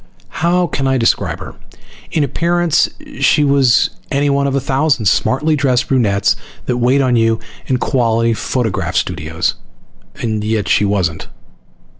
How can I describe her? In appearance she was anyone of a thousand smartly dressed brunettes that wait on you in quality photograph studios, and yet she wasn't.